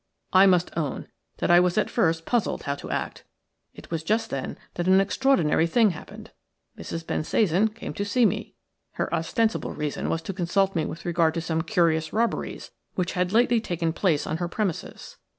I must own that I was at first puzzled how to act. It was just then that an extraordinary thing happened. Mrs. Bensasan came to see me. Her ostensible reason was to consult me with regard to some curious robberies which had lately taken place on her premises.